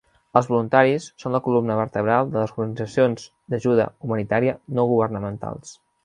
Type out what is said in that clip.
Els voluntaris són la columna vertebral de les organitzacions d'ajuda humanitària no governamentals.